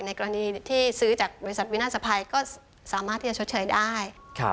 กรณีที่ซื้อจากบริษัทวินาศภัยก็สามารถที่จะชดใช้ได้